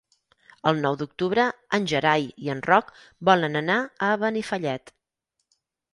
El nou d'octubre en Gerai i en Roc volen anar a Benifallet.